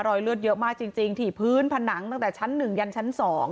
เลือดเยอะมากจริงที่พื้นผนังตั้งแต่ชั้น๑ยันชั้น๒